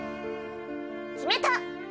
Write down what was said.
決めた！